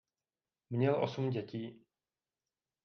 Měl osm dětí.